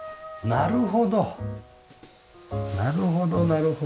なるほどなるほど。